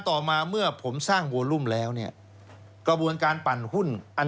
ต่อมาเมื่อผมสร้างวัวลุ่มแล้วเนี่ยกระบวนการปั่นหุ้นอัน